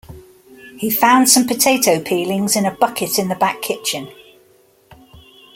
He found some potato peelings in a bucket in the back kitchen.